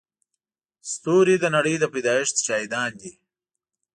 ستوري د نړۍ د پيدایښت شاهدان دي.